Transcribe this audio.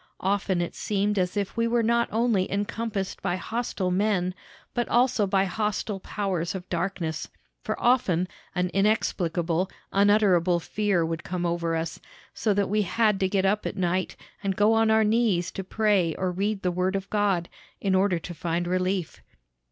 Often it seemed as if we were not only encompassed by hostile men, but also by hostile powers of darkness; for often an inexplicable, unutterable fear would come over us, so that we had to get up at night, and go on our knees to pray or read the Word of God, in order to find relief.